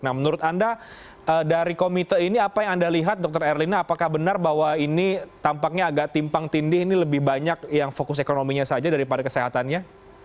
nah menurut anda dari komite ini apa yang anda lihat dr erlina apakah benar bahwa ini tampaknya agak timpang tindih ini lebih banyak yang fokus ekonominya saja daripada kesehatannya